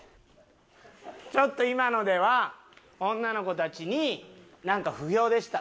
ちょっと今のでは女の子たちになんか不評でした。